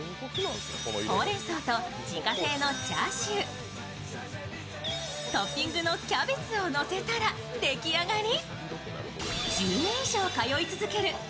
ほうれんそうと自家製のチャーシュー、トッピングのキャベツをのせたら出来上がり。